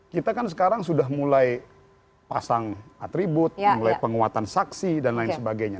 kita kan sekarang sudah mulai pasang atribut mulai penguatan saksi dan lain sebagainya